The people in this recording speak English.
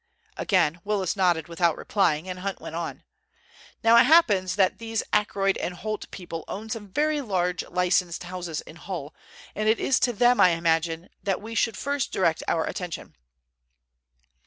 Again Willis nodded without replying, and Hunt went on: "Now it happens that these Ackroyd & Holt people own some very large licensed houses in Hull, and it is to them I imagine, that we should first direct our attention."